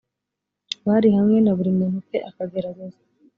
bari hamwe na buri muntu ukwe akagerageza